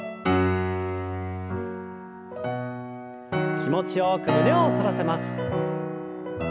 気持ちよく胸を反らせます。